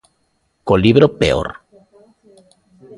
Co libro, peor.